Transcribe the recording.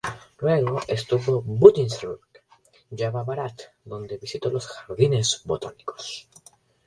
Luego estuvo en Buitenzorg, Java Barat, donde visitó los Jardines botánicos.